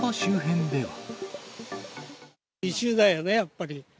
異臭だよね、やっぱり。